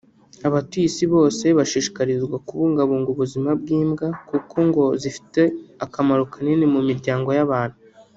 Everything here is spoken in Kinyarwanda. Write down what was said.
Abatuye isi bose bashishikarizwa kubungabunga ubuzima bw’imbwa kuko ngo zifite akamaro kanini mu miryango y’abantu